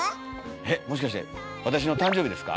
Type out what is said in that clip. えっもしかして私の誕生日ですか？